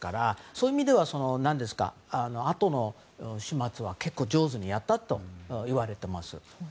そういう意味ではあとの始末は結構上手にやったと言われています。